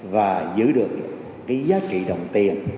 và giữ được cái giá trị đồng tiền